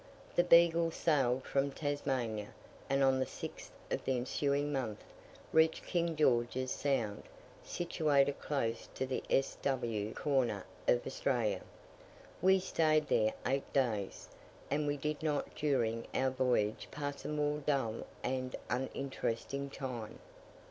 The Beagle sailed from Tasmania, and, on the 6th of the ensuing month, reached King George's Sound, situated close to the S. W. corner of Australia. We stayed there eight days; and we did not during our voyage pass a more dull and uninteresting time.